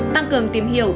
tăng cường tìm hiểu